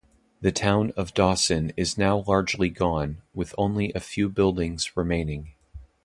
The town of Dawson is now largely gone, with only a few buildings remaining.